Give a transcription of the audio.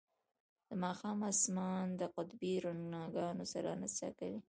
د ماښام اسمان د قطبي رڼاګانو سره نڅا کوي